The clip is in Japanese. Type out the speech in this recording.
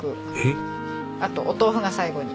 あとお豆腐が最後に。